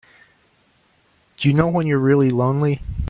Do you know when you're really lonely?